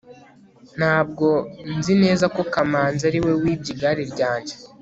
ntabwo nzi neza ko kamanzi ariwe wibye igare ryanjye